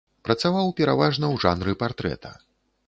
Працаваў пераважна ў жанры партрэта.